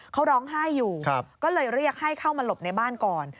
เขาร้องไห้อยู่ก็เลยเรียกให้เข้ามาหลบในบ้านก่อน